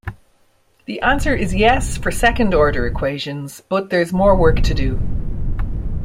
The answer is yes for second order equations, but there's more work to do.